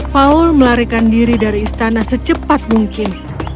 paul melarikan diri dari istana secepat mungkin